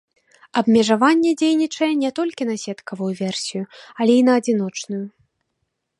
Абмежаванне дзейнічае не толькі на сеткавую версію, але і на адзіночную.